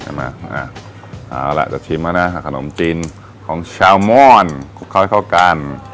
เอาล่ะจะชิมแล้วนะขนมจีนของชาวม่อนคลุกเข้าให้เข้ากัน